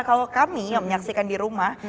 kalau kami yang menyaksikan di rumah